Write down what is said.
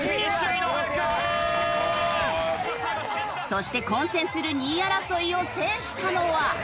そして混戦する２位争いを制したのは。